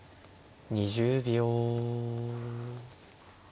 ２０秒。